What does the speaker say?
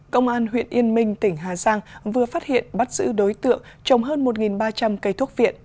công an huyện yên minh tỉnh hà giang vừa phát hiện bắt giữ đối tượng trồng hơn một ba trăm linh cây thuốc viện